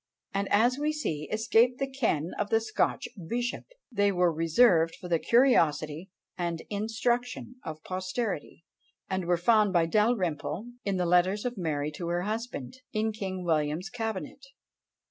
and as we see, escaped the ken of the Scotch bishop! They were reserved for the curiosity and instruction of posterity; and were found by Dalrymple, in the letters of Mary to her husband, in King William's cabinet.